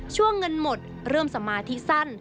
เงินหมดเริ่มสมาธิสั้น